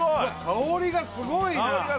香りがすごいな！